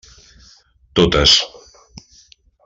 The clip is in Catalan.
Totes.